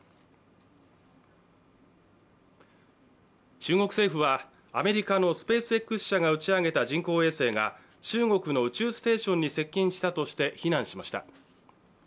中国政府は、アメリカのスペースＸ社が打ち上げた人工衛星が中国の宇宙ステーションに接近したとして非難しました。